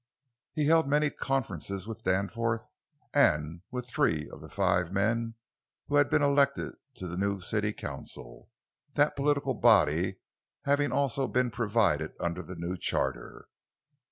He held many conferences with Danforth and with three of five men who had been elected to the new city council—that political body having also been provided under the new charter.